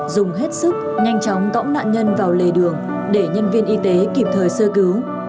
dùng hết sức nhanh chóng cõng nạn nhân vào lề đường để nhân viên y tế kịp thời sơ cứu